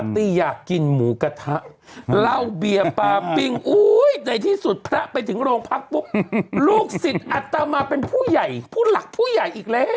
บอกลูกสิบอัตรมาเป็นผู้ใหญ่ผู้หลักผู้ใหญ่อีกแล้ว